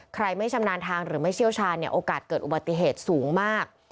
ไม่ชำนาญทางหรือไม่เชี่ยวชาญเนี่ยโอกาสเกิดอุบัติเหตุสูงมาก